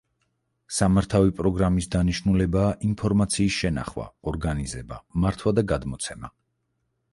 სამართავი პროგრამის დანიშნულებაა ინფორმაციის შენახვა, ორგანიზება, მართვა და გადმოცემა.